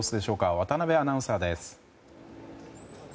渡辺アナウンサーです。